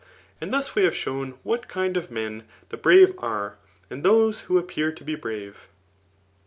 And thus we have shown what kind of men the hwio are^ and those who appear to be brave.